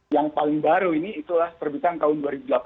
yang paling baru ini itulah terbitan tahun dua ribu delapan belas